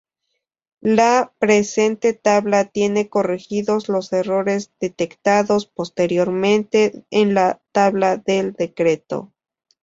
La presente tabla tiene corregidos los errores detectados posteriormente en la tabla del Decreto.